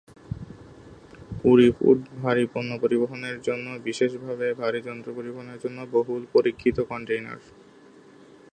কুড়ি-ফুট, ভারী পণ্য পরিবহনের জন্যে বিশেষভাবে ভারী যন্ত্রপাতি পরিবহনের জন্যে "বহুল পরীক্ষিত" কন্টেইনার।